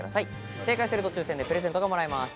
正解すると抽選でプレゼントがもらえます。